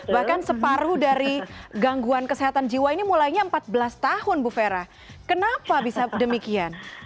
bahkan separuh dari gangguan kesehatan jiwa ini mulainya empat belas tahun bu vera kenapa bisa demikian